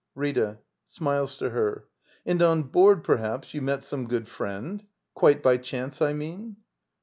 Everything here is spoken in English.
Rita. [Smiles to her.] And on board, perhaps, you met some good friend? Quite by chance, I mean.